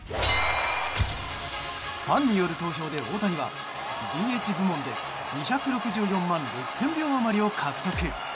ファンによる投票で大谷はＤＨ部門で２６４万６０００票余りを獲得。